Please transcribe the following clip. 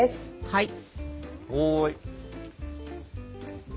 はい。